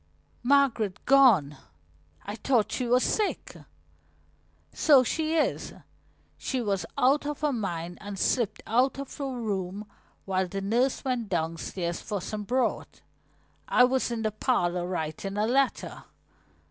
"Margaret gone? I thought she was sick." "So she is. She was out of her mind and slipped out of her room while the nurse went downstairs for some broth. I was in the parlor writing a letter."